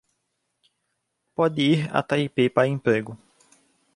Pode ir a Taipei para emprego